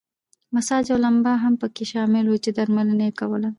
مساج او لمبا هم پکې شامل وو چې درملنه یې کوله.